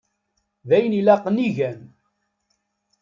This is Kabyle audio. D ayen ilaqen i gan.